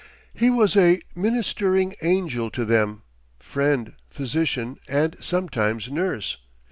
He was a ministering angel to them, friend, physician, and sometimes nurse.